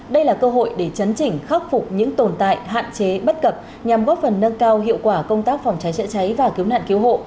đây là cơ hội để chấn chỉnh khắc phục những tồn tại hạn chế bất cập nhằm góp phần nâng cao hiệu quả công tác phòng cháy chữa cháy và cứu nạn cứu hộ